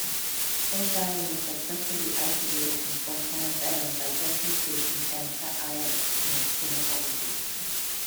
Ophanin was successfully isolated from "O. Hannah" venom by gel filtration and cation-exchange chromatography.